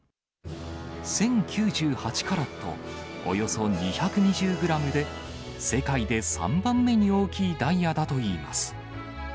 １０９８カラット、およそ２２０グラムで、世界で３番目に大きいダイヤだといいます。